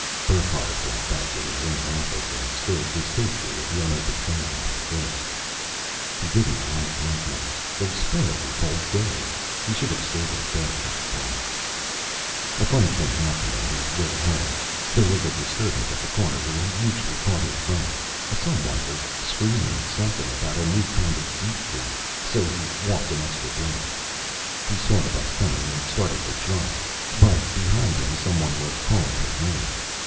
Burckhardt went back to his own office and stared distastefully at the unopened mail on his desk. He didn't like nightmares; they spoiled his whole day. He should have stayed in bed, like Barth. A funny thing happened on his way home. There was a disturbance at the corner where he usually caught his bus someone was screaming something about a new kind of deep freeze so he walked an extra block. He saw the bus coming and started to trot. But behind him, someone was calling his name.